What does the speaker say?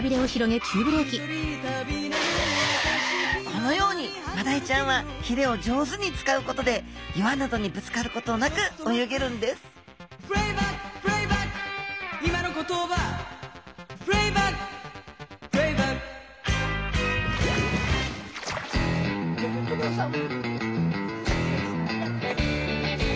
このようにマダイちゃんはひれを上手に使うことで岩などにぶつかることなく泳げるんですギョギョッと号さん！